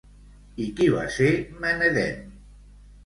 I qui va ser Menedem?